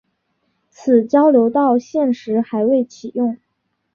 此交流道现时还未启用。